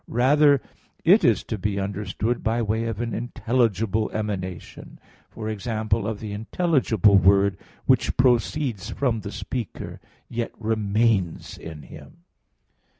Rather it is to be understood by way of an intelligible emanation, for example, of the intelligible word which proceeds from the speaker, yet remains in him.